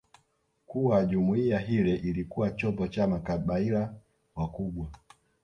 kuwa jumuiya hile ilikuwa chombo cha makabaila wakubwa